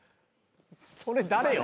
それ誰よ？